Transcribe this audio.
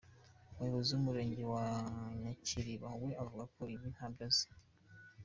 Umuyobozi w’Umurenge wa Nyakiriba we avuga ko ibi ntabyo azi.